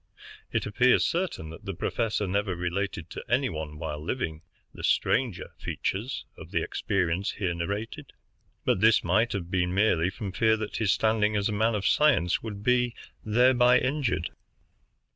It appears certain that the professor never related to any one, while living, the stranger features of the experience here narrated, but this might have been merely from fear that his standing as a man of science would be thereby injured.